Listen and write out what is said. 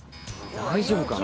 大丈夫かな。